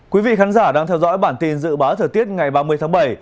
quý vị khán giả đang theo dõi bản tin dự báo thời tiết ngày ba mươi tháng bảy